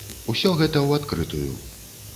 Усё гэта ў адкрытую.